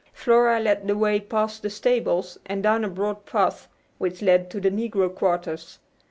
Flora led the way past the stables, and down a broad path which led to the negro quarters.